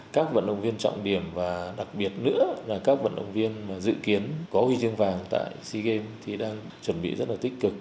các vận động viên trọng điểm và đặc biệt nữa là các vận động viên dự kiến có huy chương vàng tại sea games thì đang chuẩn bị rất là tích cực